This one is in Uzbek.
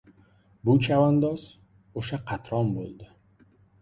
Bu chavandoz... o‘sha qatron bo‘ldi!